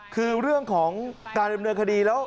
คือเรื่องของการดำเนินคดีแล้ว